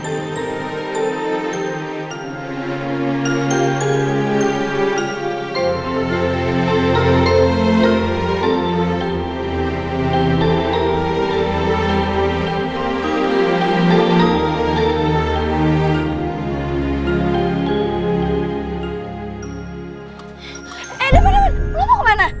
kalo lu mau kemana